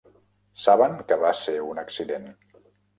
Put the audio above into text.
Saben que va ser un accident.